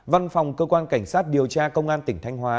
văn phòng cơ quan cảnh sát điều tra công an tỉnh thanh hóa